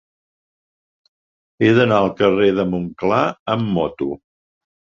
He d'anar al carrer de Montclar amb moto.